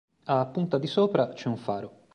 A punta di Sopra c'è un faro.